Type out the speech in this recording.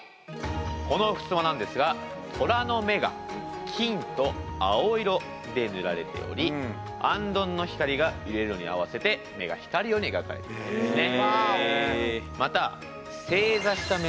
このふすまなんですが虎の目が金と青色で塗られておりあんどんの光が揺れるのに合わせて目が光るように描かれているんですね。